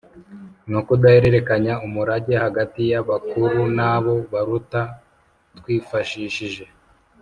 No kudahererekanya umurage hagati y abakuru n abo baruta twifashishije